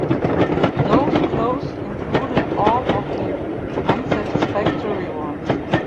Those closed included all of the unsatisfactory ones.